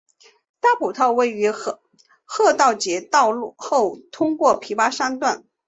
大埔道于郝德杰道后通往琵琶山段。